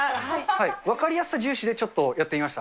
分かりやすさ重視でちょっとやってみました。